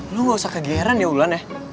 lo gak usah kegayaran ya ulan